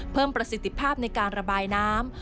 ประสิทธิภาพในการระบายน้ำ